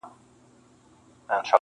ګلسوم د نجونو نښه ده تل,